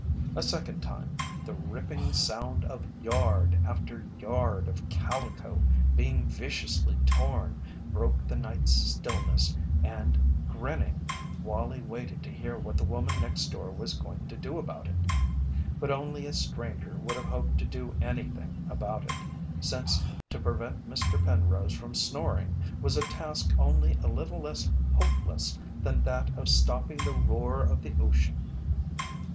A second time the ripping sound of yard after yard of calico being viciously torn broke the night's stillness and, grinning, Wallie waited to hear what the woman next door was going to do about it. But only a stranger would have hoped to do anything about it, since to prevent Mr. Penrose from snoring was a task only a little less hopeless than that of stopping the roar of the ocean.